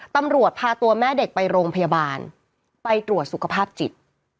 ตำรวจพาตัวแม่เด็กไปโรงพยาบาลไปตรวจสุขภาพจิต